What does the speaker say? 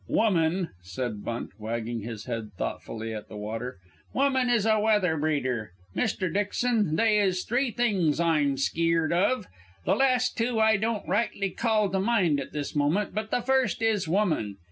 Woman," said Bunt, wagging his head thoughtfully at the water, "woman is a weather breeder. Mister Dixon, they is three things I'm skeered of. The last two I don't just rightly call to mind at this moment, but the first is woman.